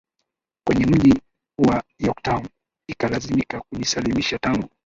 kwenye mji wa Yorktown ikalazimika kujisalimisha Tangu